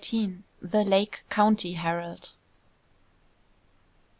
THE "LAKE COUNTY HERALD."